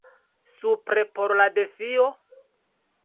Supre por la defio?